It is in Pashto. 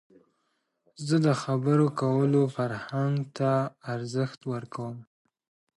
زه د خبرو کولو فرهنګ ته ارزښت ورکوم.